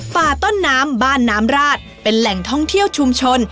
ป่าต้นน้ำบ้านน้ำราชเป็นแหล่งท่องเที่ยวชุมชน